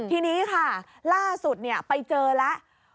ทีนี้ค่ะล่าสุดไปเจอแล้ว